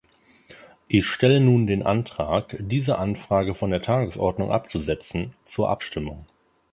Ich stelle nun den Antrag, diese Anfrage von der Tagesordnung abzusetzen, zur Abstimmung.